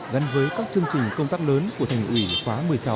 gắn với các chương trình công tác lớn của thành ủy khóa một mươi sáu